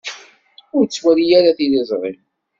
Ur ttwali ara tiliẓri.